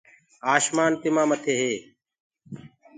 آشمآن تمآ مٿي هي۔